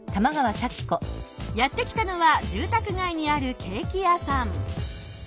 やって来たのは住たくがいにあるケーキ屋さん。